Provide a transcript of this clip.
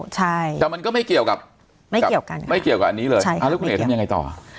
แต่มันก็ไม่เกี่ยวกับอันนี้เลยแล้วคุณเอ๋ทำยังไงต่อ